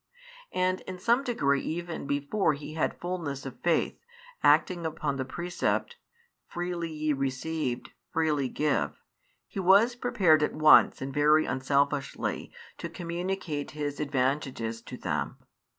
And in some degree even before he had fulness of faith, acting upon the precept: Freely ye received, freely give, he was prepared at once and very unselfishly to communicate his advantages to them.